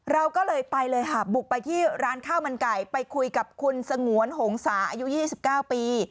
เราก็เลยไปเลยค่ะบุกไปที่ร้านข้าวมันไก่ไปคุยกับคุณสงวนหงษาอายุ๒๙ปี